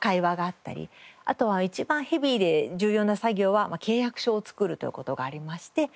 あとは一番ヘビーで重要な作業は契約書を作るという事がありまして。